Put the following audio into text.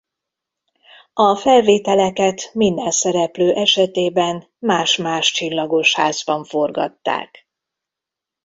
A felvételeket minden szereplő esetében más-más csillagos házban forgatták.